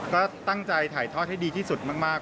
ก็ตั้งใจถ่ายทอดให้ดีที่สุดมาก